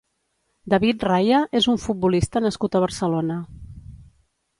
David Raya és un futbolista nascut a Barcelona.